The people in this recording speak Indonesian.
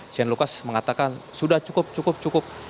shane lucas mengatakan sudah cukup cukup